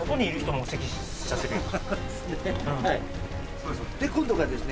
そうですね